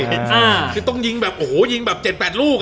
คือต้องยิงแบบ๗๘ลูก